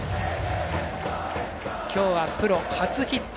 今日は、プロ初ヒット。